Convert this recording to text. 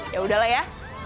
yaudah lah ya